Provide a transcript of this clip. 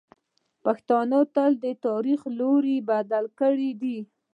پښتنو تل د تاریخ لوری بدل کړی دی.